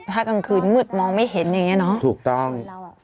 ถ้ากลางคืนมืดมองไม่เห็นอย่างเงี้เนอะถูกต้อง